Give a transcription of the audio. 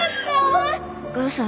お母さん。